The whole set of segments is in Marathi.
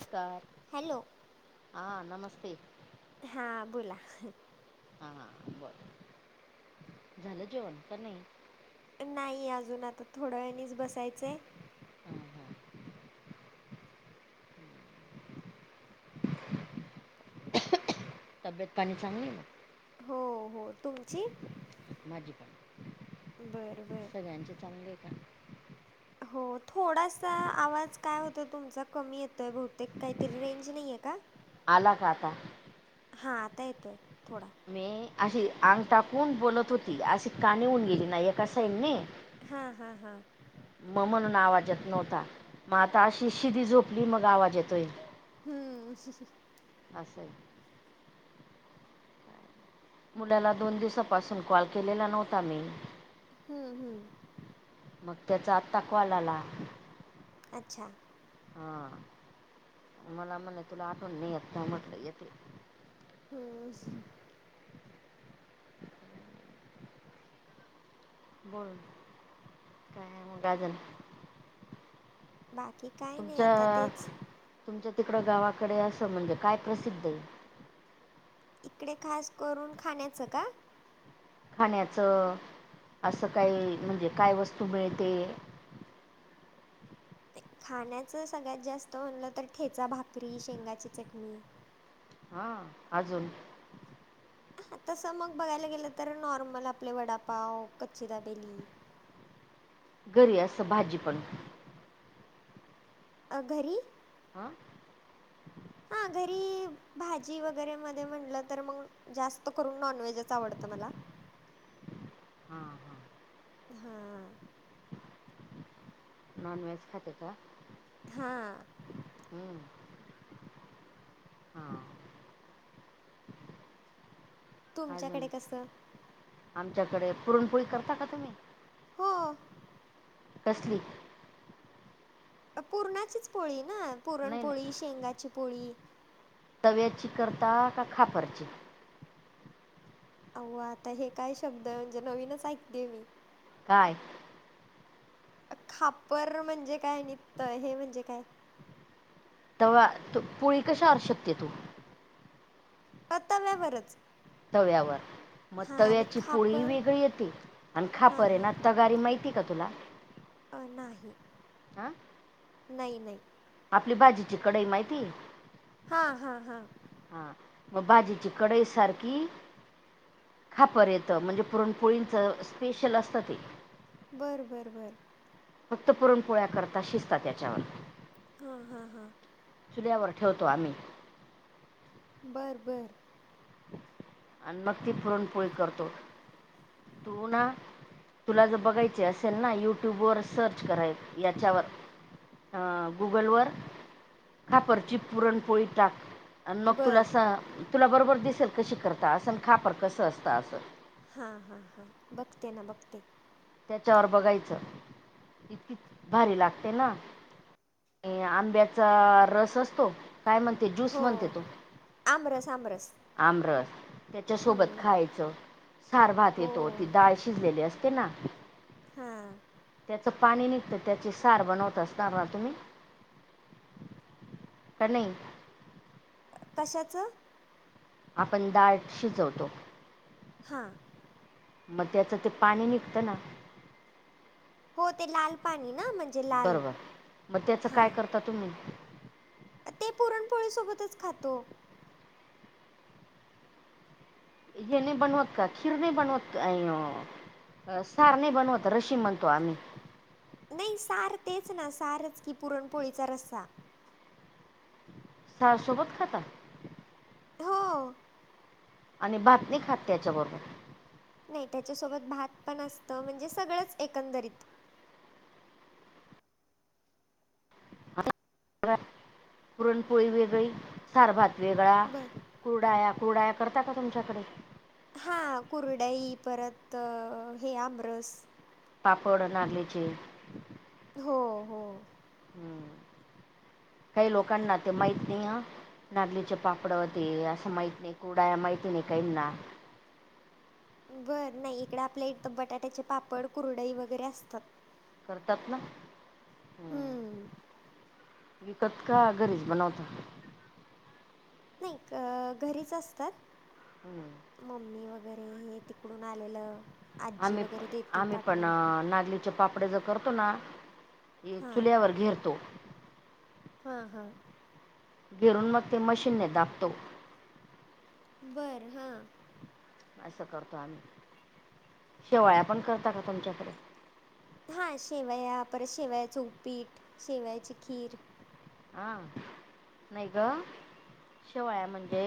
नमस्कार. हॅलो? हा, नमस्ते. हां बोला. हां हां, बरं, झालं जेवण का नाही? नाही अजून आता, थोड्या वेळानीच बसायचंय. हां हां तब्येत पाणी चांगली? हो हो, तुमची? माझी बर बर. [unintelligible] चे चांगले. ह. हो, थोडासा आवाज, काय होतो तुमचा, कमी येतोय बहुतेक, काहीतरी, रेंज नही ये का? आला का आता? हा, आता येतोय, थोडा. मी, अशी आंग टाकून, बोलत होती, अशी काणी होऊन, गेली ना, एका साईडने. हा हा हा. म- म्हणून आवाज येत नव्हता, म आता अशी शिदी झोपली, मग आवाज येतोय. हम्. आसं. मुलाला दोन दिवसाांपासून, कॉल केलेला, नव्हता मी. हम्म हम्म. मग त्याचा, आत्ता कॉल आला. अच्छा. हा मला म्हणे तुला आठवण नाही येत म्हटलं येेते- हम् ह [unintelligible] बोल काय मग अजून बाकी काय नाही आता तुमच्या तेच तुमच्या तिकडं गावाकडे असं म्हणजे काय प्रसिद्ध आहे इकडे खास करून खाण्याचं का खाण्याचं असं काही म्हणजे काय वस्तू मिळते. खाण्याच सगळ्यात जास्त म्हणलं तर ठेचा भाकरी शेंगाची चटणी. हा अजून हा तसं मग बघायला गेलं तर नॉर्मल आपलं वडापाव कच्ची दबेली घरी असं भाजी पण अ घरी हा हां घरी [inaudible] भाजी वगैरे मध्ये म्हटलं तर मग जास्त करून नॉनव्हेजच आवडत मला हा हा नॉन व्हेज खाते का हां हम् हा अजून तुमच्याकडे कसं आमच्याकडे पुरणपोळी करता का तुम्ही हो कसली पुरणाचीच पोळी ना नाही नाही पुरणपोळी शेंगाची पोळी तव्याची करता का खापरची अआव्वा आता हे काय शब्द म्हणजे नवीनच ऐकते मी काय खापर म्हणजे काय नि त हे म्हणजे काय तवा पोळी कशावर शेकते तू तव्यावरच तव्यावर मग हां आणि तव्याची पोळी खापर वेगळी येते आणि हां खापर हे हां ना तगारी माहितीये का तुला अ.. नाही आ नाही नाही आपली भाजीची कडई माहितीये हा हा हा हा मग भाजीची कढई सारखी खापर येतं म्हणजे पुरणपोळींचं स्पेशल असतं ते बर बर बर फक्त पुरण पोळ्या करता शिसताात त्याच्यावर हां हां हां चुल्यावर ठेवतो आम्ही बर बर आणि मग ती पुरणपोळी करतो तू ना तुला जर बघायचे असेल ना युट्यूब वर सर्च करायचं याच्यावर अं, गुगलवर 'खापरची पुरण पोळी' टाक. अन मग तुला बरं असं, तुला बरोबर दिसेल कशी करता, असं खापर कसं असतं असं. हा-हा-हा, बघते ना, बघते. त्याच्यावर बघायचं, इतकी भारी लागते ना! आंब्याचा रस असतो, काय म्हण? हो, आमरस-आमरस. आमरस त्याच्यासोबत खायचं. सारभात हो येतो. ती डाळ शिजलेली असते ना? हा. त्याचं पाणी निघतं, त्याची सार बनवत असणार ना तुम्ही? का नाही? कशाचं? आपण डाळ शिजवतो. हां मग, त्याचं ते पाणी निघतं ना? हो, ते लाल पाणी ना, म्हणजे लाल बरोबर मग त्याचं हा. [unintelligible] ते पुरणपोळी सोबतच खातो. ये नाही बनवत का? खीर नाही बनवत का? अं सार नाही बनवत. रशी म्हणतो आम्ही. नाही, सार तेच ना? सारच की, पुरणपोळीचा रस्सा सार सोबत खाता? हो. आणि भात नाही खात त्याच्याबरोबर? नाही, त्याच्यासोबत भात पण असत म्हणजे सगळंच एकंदरीत. पुरणपोळी वेगळी, सार-भात वेगळा. बरं कुरडया-कुरड्या करता का तुमच्याकडे? हा, कुरडाई, परत हे आमरस. पापड नागलीचे. हो-हो. हम्म, काही लोकांना ते माहीत नाही हं. नागलीचे पापड ते असं माहित नाही, कुरडया माहिती नाही काहींना बरं नाही, इकड आपल्या इथे बटाट्याचे पापड, कुरडई वगैरे असतात. करतात. ना हं विकत का? घरीच बनवता? नाही का घरीच असतात. हं. मम्मी वगैरे हे तिकडून आलेलं. आजी वगैरे देती आम्ही-आम्ही पण पाठवून. नागली चे पापडे ज करतो ना, चुल्यावर घेरतो. हा-हा. घेरून मग ते मशीनने दाबतो. बर हां. असं करतो आम्ही, शेवाळ्या पण करता का तुमच्याकडे? हा, शेवया, परत शेवयांचं उपीट, शेवयांची खीर. हा, नाही ग. शेवया म्हणजे,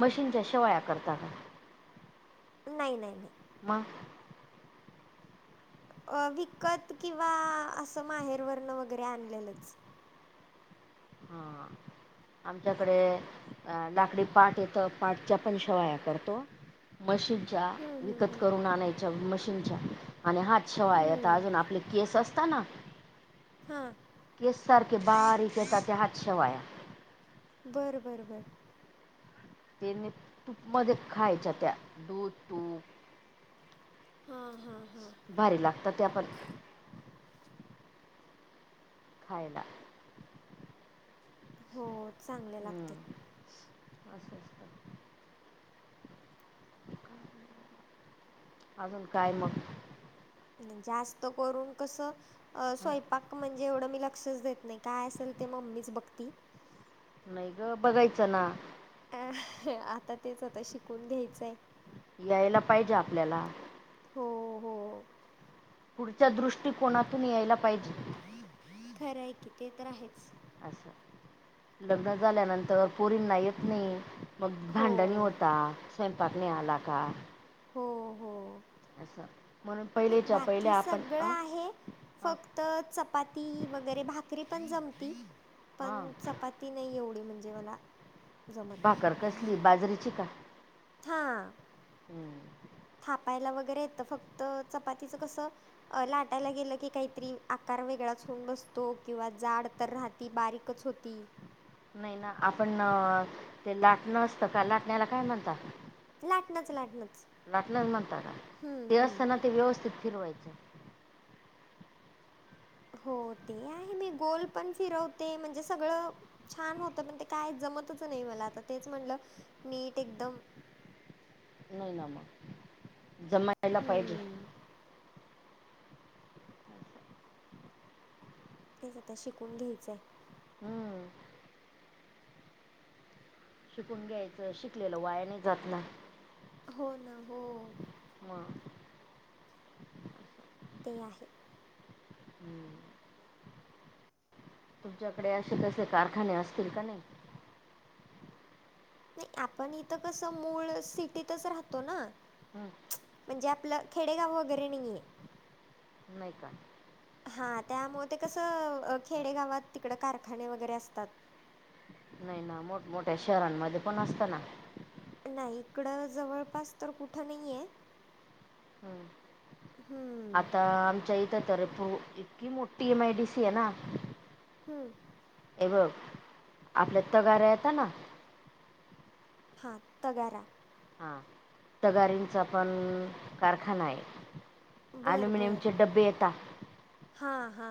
मशीनच्या शेवया करतात. नाही, नाही, नाही. मग? अ विकत किंवा असं माहेरवरण वगैरे आणलेलंच. हा! आमच्याकडे लाकडी पाठ येतं, पाठच्या पण शेवाया करतो. मशीनच्या हं, हं, विकत हं. करून आणाय -चं मशीनच्या आणि हात शेवाय आता हं. अजून आपले केस असतं ना? हं! तेच सारखे बारीक येतात त्या हात शेवाया. बर बर बर! त्येनी तूपमध्ये खायच्या त्या दूध, तूप. हा हा हा! भारी लागतात त्या पण खायला. हो चांगल्या लागतात. हम्म असं असतं. अजून काय मग? जास्त करून कसं, अ हं? स्वयंपाक म्हणजे एवढं मी लक्षच देत नाही, काय असेल ते मम्मीच बघती. नाही ग बघायचं ना. अ आता तेच आता शिकून घ्यायचंय. यायला पाहिजे आपल्याला. हो हो! पुढच्या दृष्टीकोनातून यायला पाहिजे. खरं हाय की ते तर आहेच. असं, लग्न झाल्यानंतर पोरींना येत नाई. मग हो भांडणी होता स्वयंपाक नाही आला का. हो हो! असं. म्हणून नाही पहिलेच्या पहिले बाकी आपण सगळं अं? आहे अं? फक त चपाती वगैरे भाकरी पण जमती पण हां चपाती नाई एवढी म्हणजे मला जमत भाकर कसली बाजरीची का? हा! हम्म! थापायला वगैरे येतं फक्त चपातीचं कसं अ लाटायला गेलं की काहीतरी आकार वेगळाच होऊन बसतो किंवा जाड तर राह ती बारीकच होती. नाय ना आपण ते लाटणं असतं का लाटण्याला काय म्हणतात? लाटणंच लाटणंच. लाटणच म्हणता का? हम्म ते हम्म. असताना ते व्यवस्थित फिरवायचं. हो, ते आहे. मी गोल पण फिरवते म्हणजे सगळं छान होत पण ते काय जमतच नाही मला आता तेच म्हटल नीट एकदम नई ना मग... जमायला पाहिजे. हम्म तेच आता... शिकून घ्यायचंय. हम्म. शिकून घ्यायचं, शिकलेलं वाया नई जात ना. हो ना, हो. मग. ते आहे. हम्म. तुमच्याकडे असे कसे कारखाने असतील का नाय? नई, आपण इथं कसं मूळ... सिटीतच राहतो ना. हं. म्हणजे आपलं, खेडेगाव वगैरे नईये. नई का? हा, त्यामुळे ते कसं, खेडेगावात तिकडं, कारखाने वगैरे असतात. नई ना... मोठमोठ्या शहरांमध्ये पण असतं ना. नाई, इकडं जवळपास तर कुठं नईये. हम्म. हम्म. आता आमच्या इथं तरी [unintelligible] इतकी मोठी एम आय डी सी ए ना. हम्म. हे बघ, आपल्यात तगार येतं ना? हा, तगारा. हा, तगाऱ्यांचा पण... कारखाना हाये. ॲल्युमिनियमचे डबे हेत. हा हा.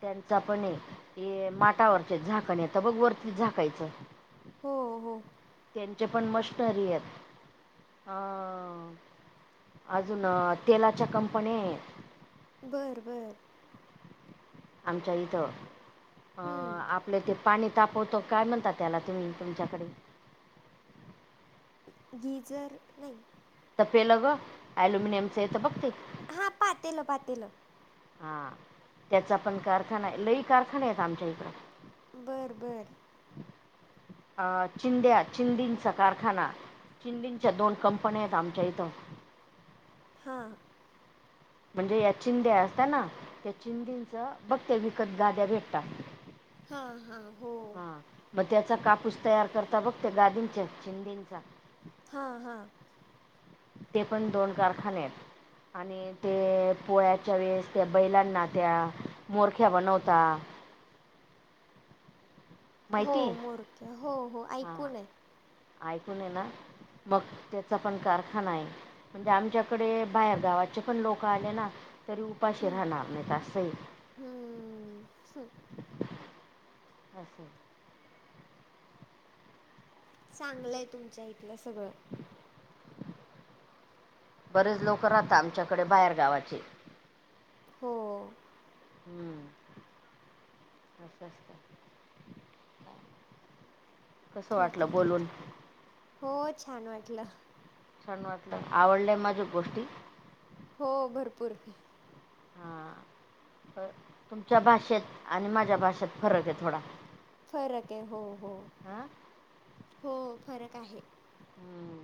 त्यांचा पण ए. त्ये माटावरचं झाकण येतं बघ वरती झाकायचं हो, हो. त्यांचे पण मशटरी हेत, हा. अजून, तेलाच्या कंपन्या हेत. बर, बर. आमच्या इथं, अं... हं. आप आपलं ते पाणी तापवतो, काय म्हणता त्याला, तुम्ही तुमच्याकडे? गीजर, नाई. तपेलं गं... ॲल्युमिनियमचं येतं बघ ते. हा, पातेलं, पातेलं. हा, त्याचा पण कारखाना ए. लई कारखाने हेत आमच्या इकडं. बर, बर. अं, चिंद्या... चिंधिचा कारखाना, चिंधिंच्या दोन कंपन्या हेत आमच्या इथं. हा. म्हणजे या चिंद्या असता ना... त्या चिंधिचं, बघ ते विकत गाद्या भेटतात. हा हा, हो. हा, मग त्याचा कापूस तयार करता बघ, त्या गादींच्या चिंधीचा. हा हा. ते पण दोन कारखाने हेत, आणि ते... पोळ्याच्या वेळेस, त्या बैलांना त्या, मोरख्या बनवता हो... माहिती मोरक्या, हो हो, हां ऐकून ए. ऐकून ए ना... मग, त्याचा पण कारखाना हाये. म्हणजे आमच्याकडे बाहेर गावाचे पण लोक आले ना, तरी उपाशी राहणार नाहीत असय. हम्म, हम्म. असंय. चांगलंय, तुमच्या इथलं सगळं. बरेच लोक राहाता, आमच्याकडे बाहेर गावाचे. हो. हम्म. अ [unintelligible] ठीक आहे, ठीक आहे. हो, छान वाटलं. छान वाटलं, आवडल्या माझ्या गोष्टी? हो, भरपूर. हा, तर तुमच्या भाषेत आणि माझ्या भाषेत फरक आहे थोडा. फरके. हो हो. हां हो, फरक आहे. हम्म.